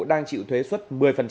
đang chịu thuế suất một mươi